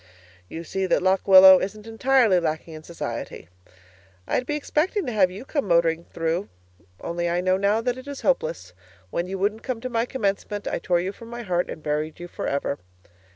You see that Lock Willow isn't entirely lacking in society. I'd be expecting to have you come motoring through only I know now that that is hopeless. When you wouldn't come to my commencement, I tore you from my heart and buried you for ever.